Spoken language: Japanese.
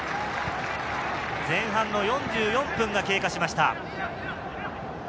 前半の４４分が経過しました。